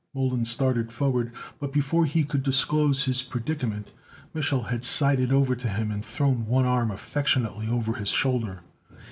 Mollon started forward, but before he could disclose his predicament Mich'l had sidled over to him and thrown one arm affectionately over his shoulder.